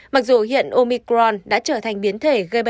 mặc dù hiện omicron đã trở thành biến thể gây bệnh